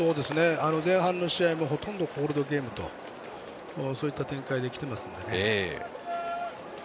前半の試合もほとんどコールドゲームそういった展開できています。